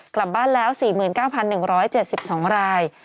กลับบ้านแล้ว๔๙๑๗๒ราย